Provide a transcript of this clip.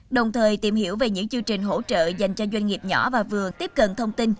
đồng thời tìm hiểu về những chương trình hỗ trợ dành cho doanh nghiệp nhỏ và vừa tiếp cận thông tin